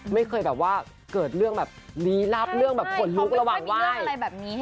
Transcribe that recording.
ไม่เคยเกิดเรื่องลี้รับเรื่องขนลุกระหว่างไหว้